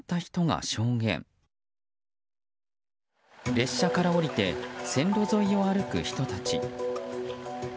列車から降りて線路沿いを歩く人たち。